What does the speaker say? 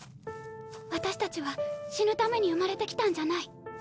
私たちは死ぬために生まれてきたんじゃない。